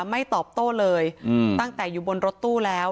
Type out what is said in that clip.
ไม่ตอบโต้เลยตั้งแต่อยู่บนรถตู้แล้ว